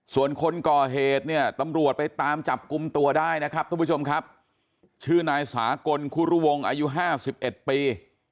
ส่วนคนก่อเหตุเนี่ยตำรวจไปตามจับกลุ่มตัวได้นะครับทุกผู้ชมครับชื่อนายสากลคุรุวงศ์อายุ๕๑ปี